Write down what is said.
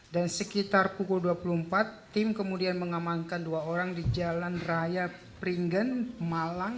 dan sekitar pukul dua puluh empat tim kemudian mengamankan dua orang di jalan raya peringgan malang